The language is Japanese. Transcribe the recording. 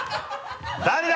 誰だ？